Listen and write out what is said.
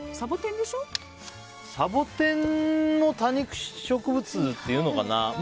サボテンも多肉植物っていうのかな。